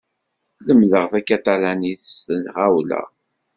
Lemdeɣ takatalanit s tɣawla.